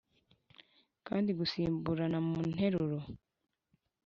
kandi gusimburana mu nteruro